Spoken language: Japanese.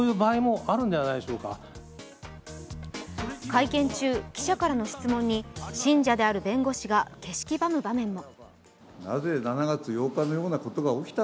会見中、記者からの質問に信者である弁護士が気色ばむ場面も。